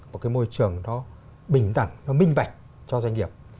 một cái môi trường nó bình đẳng nó minh bạch cho doanh nghiệp